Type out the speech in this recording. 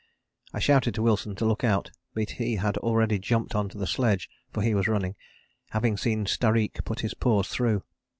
I shouted to Wilson to look out, but he had already jumped on to the sledge (for he was running) having seen Stareek put his paws through.